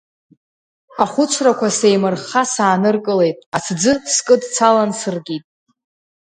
Ахәыцрақәа сеимырхха сааныркылеит, аҭӡы скыдцалан сыркит.